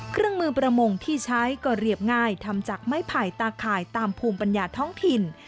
เครื่องมือประมงที่ใช้ก็เรียบง่ายทำจากไม้ไผ่ตาข่ายตามภูมิปัญญาท้องถิ่น